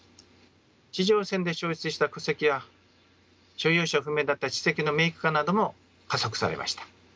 地上戦で焼失した戸籍や所有者不明だった地籍の明確化なども加速されました。